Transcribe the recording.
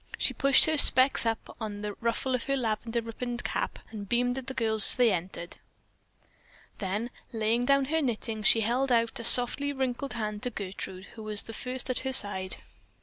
She pushed her "specs" up on the ruffle of her lavender ribboned cap, and beamed at the girls as they entered. Then, laying down her knitting, she held out a softly wrinkled hand to Gertrude, who was the first at her side.